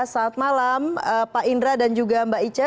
selamat malam pak indra dan juga mbak ica